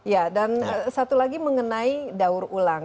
ya dan satu lagi mengenai daur ulang